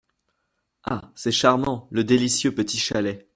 Ah ! c’est charmant ! le délicieux petit chalet !…